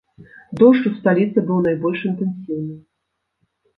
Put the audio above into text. Дождж у сталіцы быў найбольш інтэнсіўным.